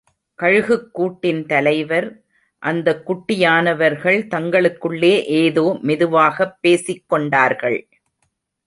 கழுகுக் கூட்டின் தலைவர். அந்தக் குடியானவர்கள் தங்களுக்குள்ளே ஏதோ, மெதுவாகப் பேசிக் கொண்டார்கள்.